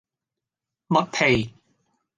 麥皮